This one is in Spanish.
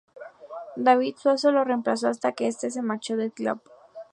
David Suazo lo reemplazó hasta que este se marchó del club.